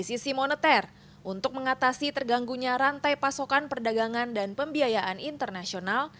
sisi moneter untuk mengatasi terganggunya rantai pasokan perdagangan dan pembiayaan internasional